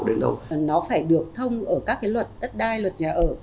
đại gia luật nhà ở